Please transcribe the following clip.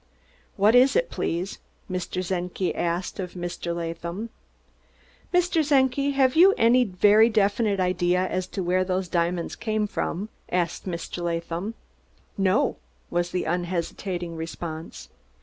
"What is it, please?" Mr. Czenki asked of Mr. Latham. "Mr. Czenki, have you any very definite idea as to where those diamonds came from?" asked Mr. Latham. "No," was the unhesitating response.